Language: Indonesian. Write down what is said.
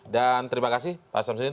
dan terima kasih pak samsudin